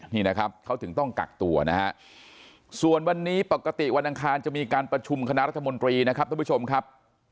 นี่นะครับเขาถึงต้องกักตัวนะฮะส่วนวันนี้ปกติวันอังคารจะมีการประชุมคณะรัฐมนตรีนะครับท่านผู้ชมครับ